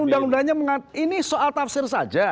undang undangnya mengatakan ini soal tafsir saja